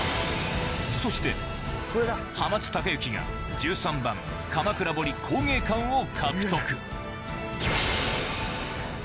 そして濱津隆之が１３番鎌倉彫工芸館を獲得１３ＯＫ。